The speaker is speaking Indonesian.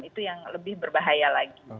itu yang lebih berbahaya lagi